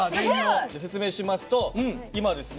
説明しますと今ですね